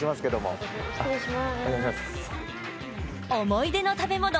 想い出の食べ物